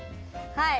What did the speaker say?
はい。